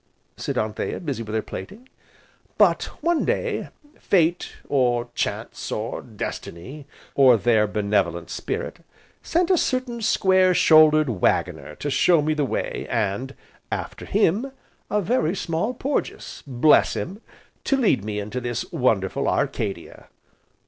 said Anthea, busy with her plaiting. "But, one day, Fate, or Chance, or Destiny, or their benevolent spirit, sent a certain square shouldered Waggoner to show me the way, and, after him, a very small Porges, bless him! to lead me into this wonderful Arcadia."